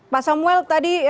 pak samuel tadi